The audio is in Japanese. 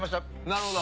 なるほど。